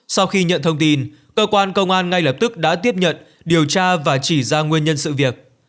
sau khi nhận thông tin cơ quan công an ngay lập tức đã tiếp nhận điều tra và chỉ ra nguyên nhân sự việc